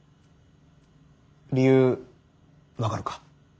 理由分かるか？